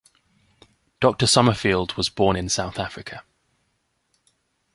Doctor Summerfield was born in South Africa.